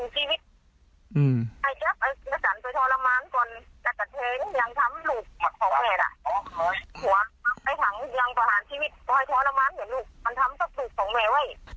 ทำลูกมันด้วยสองชีวิตต้องเรียกนึงชีวิต